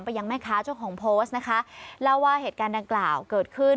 ยังแม่ค้าเจ้าของโพสต์นะคะเล่าว่าเหตุการณ์ดังกล่าวเกิดขึ้น